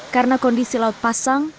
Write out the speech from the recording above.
karena kondisi laut pasang